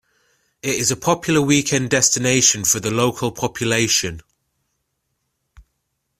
It is a popular weekend destination for the local population.